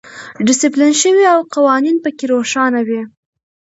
ډیسپلین شوی او قوانین پکې روښانه وي.